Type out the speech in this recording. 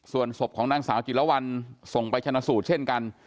ส่วนศพของนางสาวจิลวันส่งไปชนะสูตรเช่นกัน